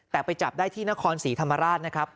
แต่ไปจับได้ที่นครศรีธรรมราชนะครับ